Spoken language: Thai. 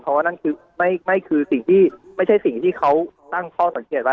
เพราะว่านั่นไม่ใช่สิ่งที่เขาตั้งพ่อสังเกตไว้